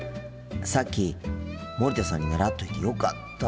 さっき森田さんに習っといてよかった。